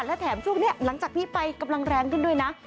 และแถมช่วงนี้หลังจากนี้ไปกำลังแรงขึ้นด้วยนะ